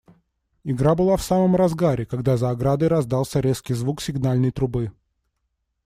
Игра была в самом разгаре, когда за оградой раздался резкий звук сигнальной трубы.